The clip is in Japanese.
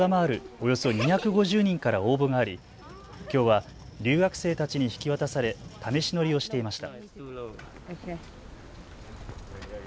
およそ２５０人から応募がありきょうは留学生たちに引き渡され試し乗りをしていました。